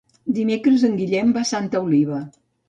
Dimecres en Guillem va a Santa Oliva.